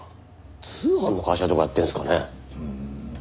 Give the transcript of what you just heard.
通販の会社とかやってるんですかね？